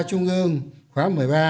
trung ương khóa một mươi ba